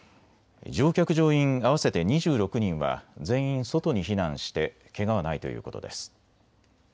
乗客・乗員合わせて２６人は全員、外に避難してけがはないということです。